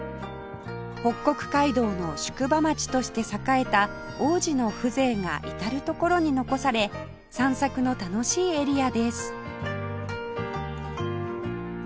北国街道の宿場町として栄えた往時の風情が至る所に残され散策の楽しいエリアです